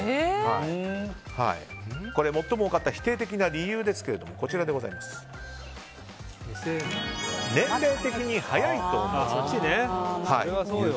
最も多かった否定的な理由は年齢的に早いと思うという。